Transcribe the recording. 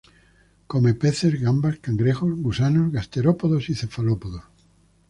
Come peces, gambas, cangrejos, gusanos, gasterópodos y cefalópodos.